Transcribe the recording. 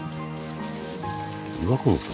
湯がくんすか？